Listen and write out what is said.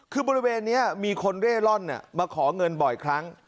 คือบริเวณนี้มีคนเร่ร่อนมาขอเงินบ่อยครั้ง